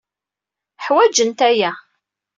Ḥwajent aya.